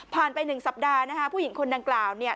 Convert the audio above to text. ผ่านไปหนึ่งสัปดาห์ผู้หญิงคนนางกล่าวเนี่ย